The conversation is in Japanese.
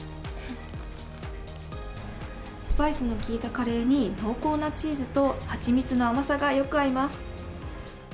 スパイスの効いたカレーに、濃厚なチーズと、蜂蜜の甘さがよく合います。